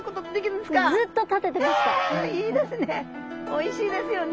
いいですね。